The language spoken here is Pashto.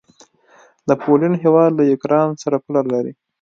د پولينډ هيواد له یوکراین سره پوله لري.